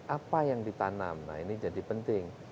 apa yang ditanam nah ini jadi penting